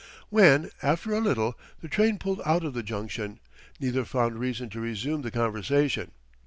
When, after a little, the train pulled out of the junction, neither found reason to resume the conversation.